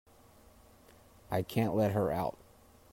I can't let her out.